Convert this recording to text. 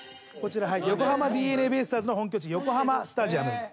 横浜ＤｅＮＡベイスターズの本拠地横浜スタジアム。